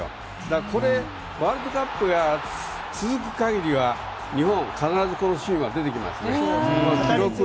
だからこれワールドカップが続く限りは日本、必ずこのシーンは出てきますね。